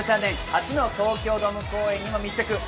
２０１３年、初の東京ドーム公演にも密着。